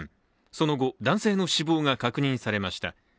その後、男性の死亡が確認されました。